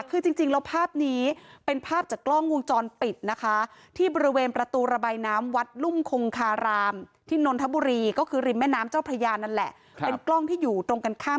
คือจริงแล้วภาพนี้เป็นภาพจากกล้องวงจรปิดนะคะ